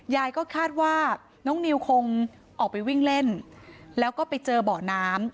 ยายก็คาดว่าน้องนิวคงออกไปวิ่งเล่นแล้วก็ไปเจอเบาะน้ำ